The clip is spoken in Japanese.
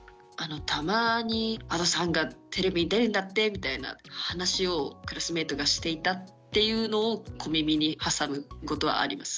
たまにＡｄｏさんがテレビに出るんだってみたいな話をクラスメートがしていたっていうのを小耳に挟むことはあります。